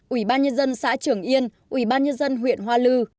ubnd xã trường yên ubnd huyện hoa lư